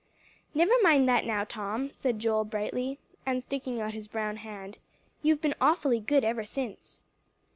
"Never mind that now, Tom," said Joel brightly, and sticking out his brown hand. "You've been awfully good ever since."